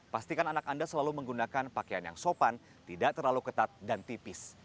pastikan anak anda selalu menggunakan pakaian yang sopan tidak terlalu ketat dan tipis